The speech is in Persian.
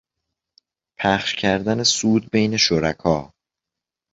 پخش کردن سود بین شرکا